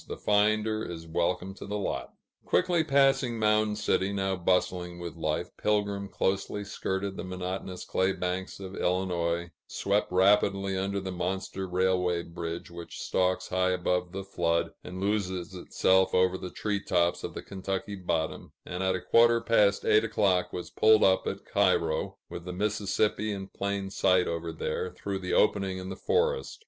The finder is welcome to the lot." Quickly passing Mound City, now bustling with life, Pilgrim closely skirted the monotonous clay banks of Illinois, swept rapidly under the monster railway bridge which stalks high above the flood, and loses itself over the tree tops of the Kentucky bottom, and at a quarter past eight o'clock was pulled up at Cairo, with the Mississippi in plain sight over there, through the opening in the forest.